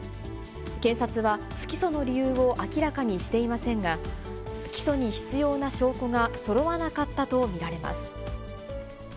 検察は不起訴の理由は明らかにしていませんが、起訴に必要な証拠がそろわなかったと見られます。